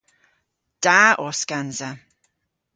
Da os gansa.